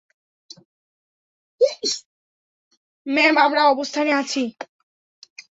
Ma'am, আমরা অবস্থানে আছি।